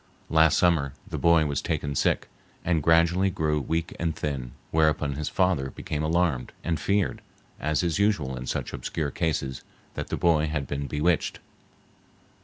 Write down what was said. Last summer the boy was taken sick, and gradually grew weak and thin, whereupon his father became alarmed, and feared, as is usual in such obscure cases, that the boy had been bewitched.